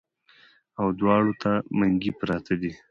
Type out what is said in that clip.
او دواړو ته منګي پراتۀ دي